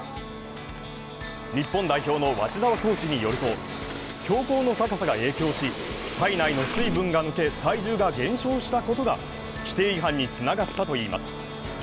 日本代表の鷲澤コーチによると、標高の高さが影響し、体内の水分が抜け、体重が減少したことが規定違反につながったといいます。